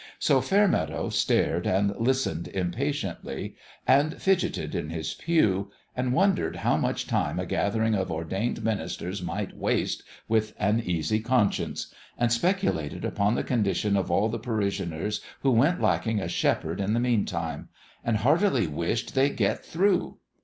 So Fairmeadow stared and listened impatiently and fidgeted in his pew and wondered how much time a gather ing of ordained ministers might waste with an easy conscience and speculated upon the con dition of all the parishioners who went lacking a shepherd in the meantime and heartily wished " they'd get through."